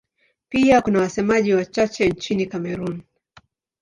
Pia kuna wasemaji wachache nchini Kamerun.